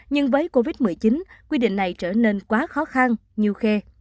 nhưng với covid một mươi chín quy định này trở nên quá khó khăn nhiều khe